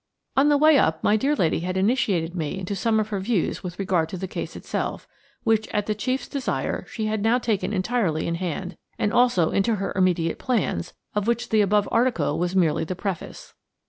On the way up my dear lady had initiated me into some of her views with regard to the case itself, which at the chief's desire she had now taken entirely in hand, and also into her immediate plans, of which the above article was merely the preface.